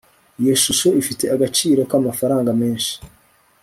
Iyi shusho ifite agaciro kamafaranga menshi